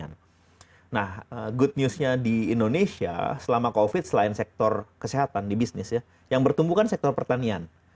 nah good newsnya di indonesia selama covid selain sektor kesehatan di bisnis ya yang bertumbuh kan sektor pertanian